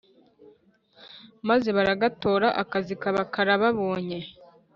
Maze baragatora akazi kaba karababonye